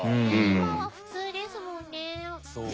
今は普通ですもんね。